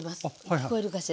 聞こえるかしら。